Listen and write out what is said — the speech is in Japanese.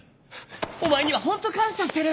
お前にはホント感謝してる。